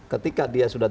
ketika dia sudah